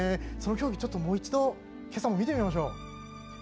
その競技、もう一度今朝も見てみましょう。